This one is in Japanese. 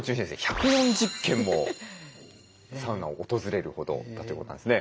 １４０軒もサウナを訪れるほどだということなんですね。